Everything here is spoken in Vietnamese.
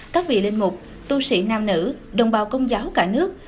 các vị linh mục tu sĩ nam nữ đồng bào công giáo cả nước